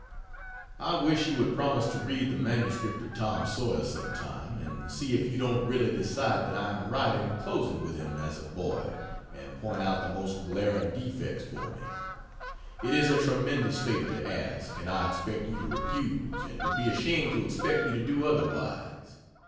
I wish you would promise to read the MS of Tom Sawyer some time, and see if you don't really decide that I am right in closing with him as a boy and point out the most glaring defects for me. It is a tremendous favor to ask, and I expect you to refuse and would be ashamed to expect you to do otherwise.